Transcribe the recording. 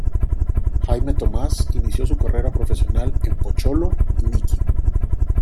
Jaime Tomás inició su carrera profesional en "Pocholo" y "Mickey".